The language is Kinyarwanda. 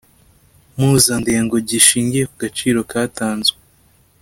mpuzandengo gishingiye ku gaciro katanzwe